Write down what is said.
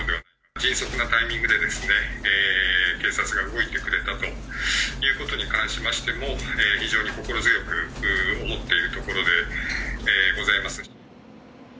迅速なタイミングで警察が動いてくれたということに関しましても、非常に心強く思っているところでございます。